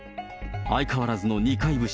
相変わらずの二階節。